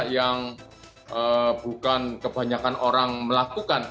yang bukan kebanyakan orang melakukan